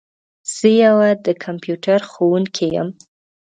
زه یو د کمپیوټر ښوونکي یم.